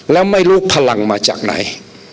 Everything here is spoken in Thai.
แล้วไม่รู้พลังมาจากไหน